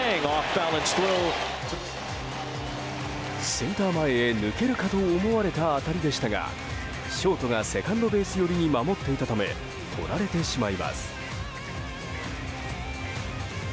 センター前へと抜けるかと思われた当たりでしたがショートがセカンドベース寄りに守っていたためとられてしまいます。